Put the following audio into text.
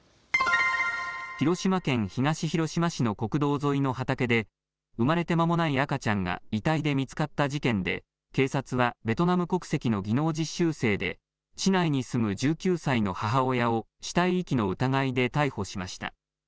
広島県東広島市の国道沿いの畑で産まれてまもない赤ちゃんが遺体で見つかった事件で警察はベトナム国籍の技能実習生で市内に住む１９歳の母親を死体遺棄の疑いで逮捕しました。